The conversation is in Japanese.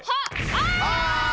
あ！